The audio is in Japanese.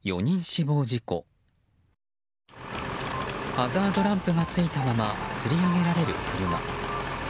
ハザードランプがついたままつり上げられる車。